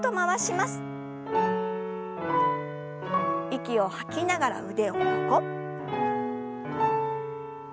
息を吐きながら腕を横。